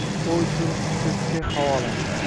O’y sur, ko’kka havolan.